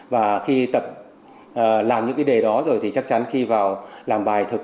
và khi tập làm những cái đề đó rồi thì chắc chắn khi vào làm bài thực